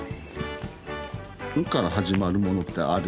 「ん」から始まるものってある？